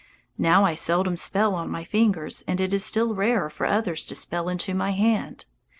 Now I seldom spell on my fingers, and it is still rarer for others to spell into my hand.